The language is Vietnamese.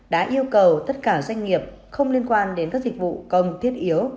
đã yêu cầu tất cả doanh nghiệp không liên quan đến các dịch vụ công thiết yếu